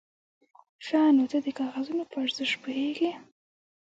_ښه، نو ته د کاغذونو په ارزښت پوهېږې؟